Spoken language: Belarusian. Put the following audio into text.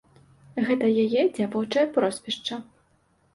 Гэта яе дзявочае прозвішча.